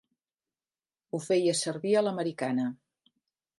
Ho feies servir a l'americana.